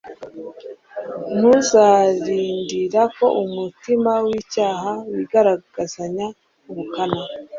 ntituzarindira ko umutima w'icyaha wigaragazanya ubukana.